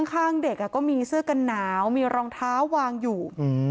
ข้างเด็กก็มีเสื้อกันหนาวมีรองเท้าวางอยู่